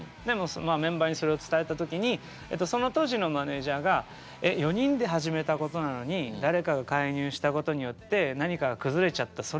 でもメンバーにそれを伝えた時にその当時のマネージャーが「えっ４人で始めたことなのに誰かが介入したことによって何かが崩れちゃった。